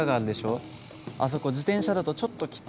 あそこ自転車だとちょっときついんだよね。